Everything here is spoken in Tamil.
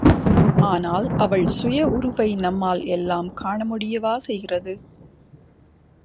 ஆனால் அவள் சுய உருவை நம்மால் எல்லாம் காணமுடியவா செய்கிறது.